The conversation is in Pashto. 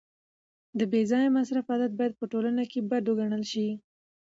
د بې ځایه مصرف عادت باید په ټولنه کي بد وګڼل سي.